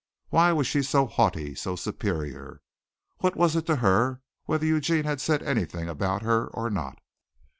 Why was she so haughty so superior? What was it to her whether Eugene had said anything about her or not?